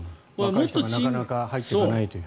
若い人がなかなか入っていかないという。